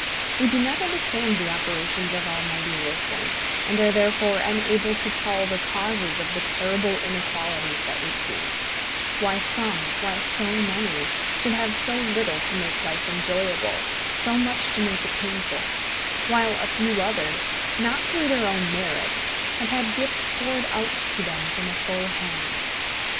We do not understand the operations of Almighty wisdom, and are therefore unable to tell the causes of the terrible inequalities that we see, why some, why so many, should have so little to make life enjoyable, so much to make it painful, while a few others, not through their own merit, have had gifts poured out to them from a full hand.